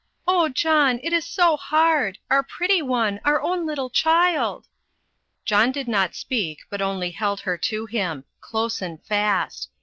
"Oh, John! it is so hard. Our pretty one our own little child!" John did not speak, but only held her to him close and fast.